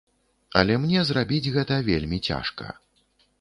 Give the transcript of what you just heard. Але мне зрабіць гэта вельмі цяжка.